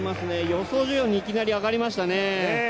予想よりもいきなり上がりましたね。